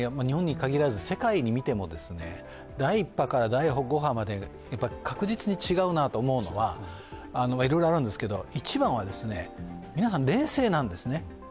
日本に限らず、世界で見ても、第１波から第５波まで確実に違うなと思うのは、いろいろあるんですけど、一番は皆さん冷静なんですね。